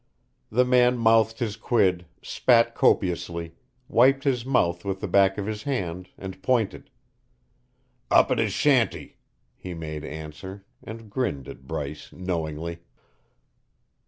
The man mouthed his quid, spat copiously, wiped his mouth with the back of his hand, and pointed. "Up at his shanty," he made answer, and grinned at Bryce knowingly.